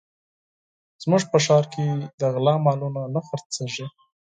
زموږ په ښار کې د غلا مالونه نه خرڅېږي